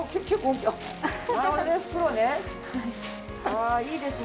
わあいいですね。